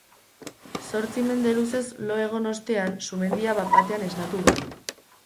Zortzi mende luzez lo egon ostean sumendia bapatean esnatu da.